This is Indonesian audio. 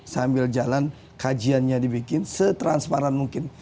sambil jalan kajiannya dibikin setransparan mungkin